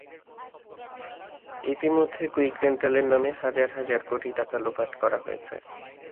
ইতিমধ্যে কুইক রেন্টালের নামে হাজার হাজার কোটি টাকা লোপাট করা হয়েছে।